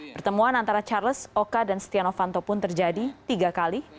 pertemuan antara charles oka dan setia novanto pun terjadi tiga kali